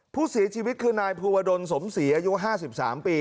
ผู้เสียชีวิตคือนายภูวดลสมศรีอายุ๕๓ปี